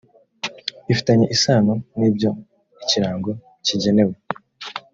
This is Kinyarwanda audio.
ifitanye isano n ibyo ikirango kigenewe